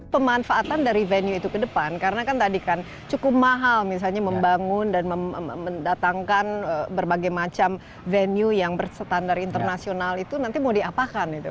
pemanfaatan dari venue itu ke depan karena kan tadi kan cukup mahal misalnya membangun dan mendatangkan berbagai macam venue yang berstandar internasional itu nanti mau diapakan itu